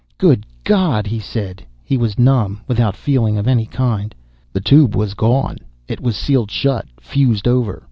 "Good God," he said. He was numb, without feeling of any kind. The Tube was gone. It was sealed shut, fused over.